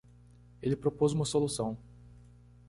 Ele propôs uma solução.